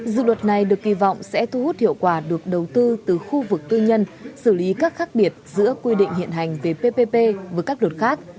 dự luật này được kỳ vọng sẽ thu hút hiệu quả được đầu tư từ khu vực tư nhân xử lý các khác biệt giữa quy định hiện hành về ppp với các luật khác